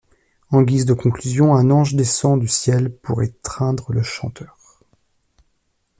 En guise de conclusion, un ange descend du ciel pour étreindre le chanteur.